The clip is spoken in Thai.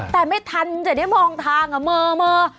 แต่ไม่ทันจะได้มองทางเมอ